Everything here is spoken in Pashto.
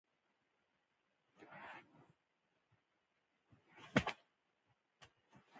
افغانستان د مورغاب سیند په برخه کې له نړیوالو سره کار کوي.